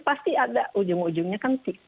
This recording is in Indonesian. pasti ada ujung ujungnya kan ada ketidakpuasan